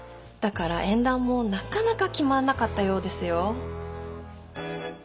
だから縁談もなかなか決まらなかったようですよ。